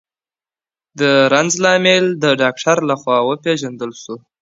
د رنځ لامل د ډاکټر لخوا وپېژندل سو.